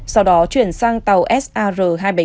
sau đó chuyển sang tàu sar hai trăm bảy mươi năm